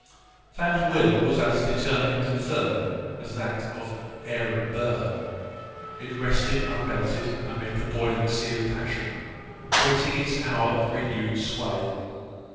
That will was as determined and firm as that of Aaron Burr. It rested unmelted amid the boiling sea of passion, waiting its hour of renewed sway.